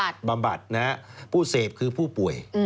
บำบัดนะฮะผู้เสพคือผู้ป่วย